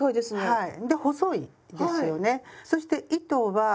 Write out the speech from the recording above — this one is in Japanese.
はい！